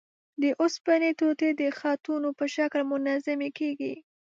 د اوسپنې ټوټې د خطونو په شکل منظمې کیږي.